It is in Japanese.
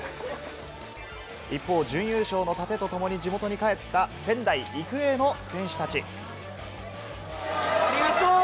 一方、準優勝の盾とともに、地元に帰った仙台育英の選手たち。